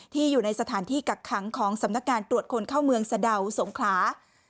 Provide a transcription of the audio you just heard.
อยู่ในสถานที่กักขังของสำนักงานตรวจคนเข้าเมืองสะดาวสงขลา